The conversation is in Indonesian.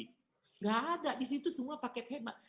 tidak ada di situ semua paket hemat